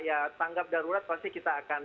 ya tanggap darurat pasti kita akan